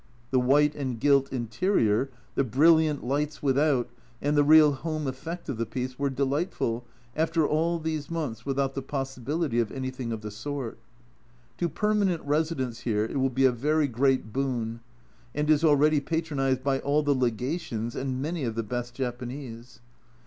The white and gilt interior, the brilliant lights without, and the real "home" effect of the piece were delightful after all these months without the possibility of anything of the sort. To permanent residents here it will be a very great boon, and is already patronised by all the Legations and many of the best Japanese.